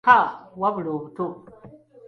Haaa wabula obuto!